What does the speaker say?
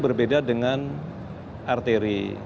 berbeda dengan arteri